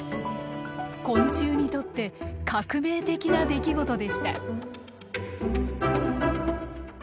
昆虫にとって革命的な出来事でした。